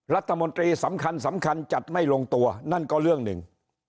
รัฐมนตรีสำคัญสำคัญจัดไม่ลงตัวนั่นก็เรื่องหนึ่ง